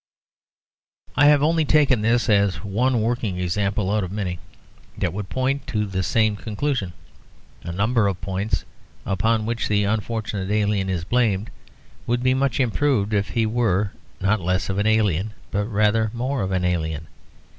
I have only taken this as one working example out of many that would point to the same conclusion. A number of points upon which the unfortunate alien is blamed would be much improved if he were, not less of an alien, but rather more of an alien.